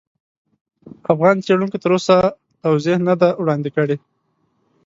افغان څېړونکو تر اوسه توضیح نه دي وړاندې کړي.